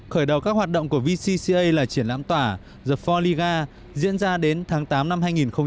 khởi đầu các hoạt động của vcca là triển lãm tỏa the four ligas diễn ra đến tháng tám năm hai nghìn một mươi bảy